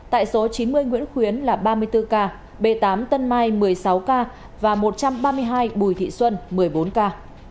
tại số chín mươi nguyễn khuyến là ba mươi bốn ca b tám tân mai một mươi sáu k và một trăm ba mươi hai bùi thị xuân một mươi bốn ca